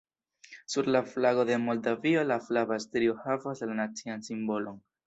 Sur la flago de Moldavio la flava strio havas la nacian simbolon.